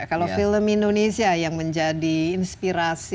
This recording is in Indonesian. kalau film indonesia yang menjadi inspirasi